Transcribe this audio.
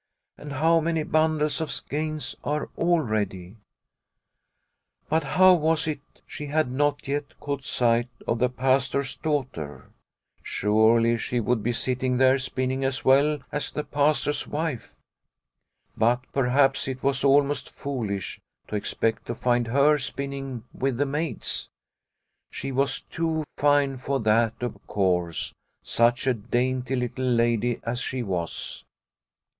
And how many bundles of skeins are already " But how was it she had not yet caught sight of the Pastor's daughter ? Surely she would be sitting there spinning, as well as the Pastor's wife. But perhaps it was almost foolish to expect to find her spinning with the maids. She was too fine for that, of course, such a dainty little lady as she was.